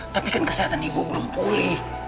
tapi kan kesehatan ibu belum pulih